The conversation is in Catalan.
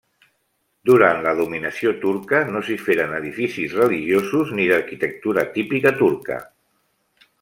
Durant la dominació turca no s'hi feren edificis religiosos ni d'arquitectura típica turca.